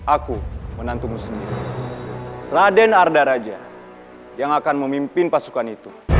aku menantumu sendiri raden arda raja yang akan memimpin pasukan itu